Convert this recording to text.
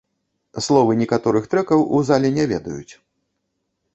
Словы некаторых трэкаў у зале не ведаюць.